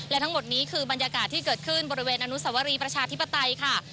และทั้งหมดนี้คือบรรยากาศที่เกิดขึ้นบริเวณอนุสวรีประชาธิปไตยค่ะ